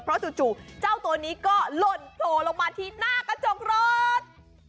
เพราะจู่เจ้าตัวนี้ก็หล่นโผล่ลงมาที่หน้ากระจกรถ